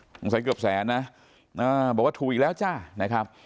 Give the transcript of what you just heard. สงสัยเกือบแสนนะบอกว่าถูกอีกแล้วจ้านะครับ